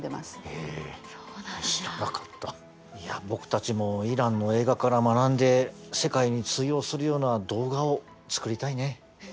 僕たちもイランの映画から学んで世界に通用するような動画を作りたいね。